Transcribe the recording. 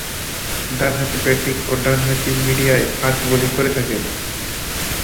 ডানহাতি ব্যাটিং ও ডানহাতি মিডিয়াম ফাস্ট বোলিং করে থাকেন।